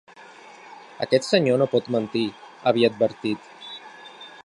Aquest senyor no pot mentir, havia advertit.